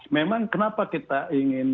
memang kenapa kita ingin